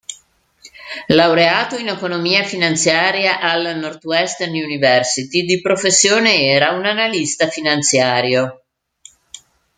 Laureato in economia finanziaria alla Northwestern University, di professione era un analista finanziario.